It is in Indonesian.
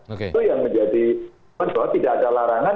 itu yang menjadi bahwa tidak ada larangan